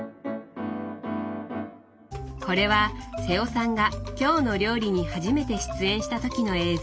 これは瀬尾さんが「きょうの料理」に初めて出演した時の映像。